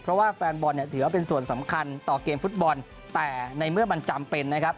เพราะว่าแฟนบอลเนี่ยถือว่าเป็นส่วนสำคัญต่อเกมฟุตบอลแต่ในเมื่อมันจำเป็นนะครับ